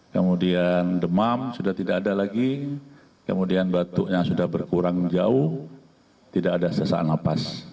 kemudian demam sudah tidak ada lagi kemudian batuknya sudah berkurang jauh tidak ada sesak nafas